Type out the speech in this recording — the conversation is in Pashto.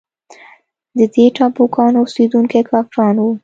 د دې ټاپوګانو اوسېدونکي کافران وه.